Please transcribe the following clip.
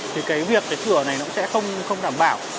thì cái việc cái cửa này nó sẽ không đảm bảo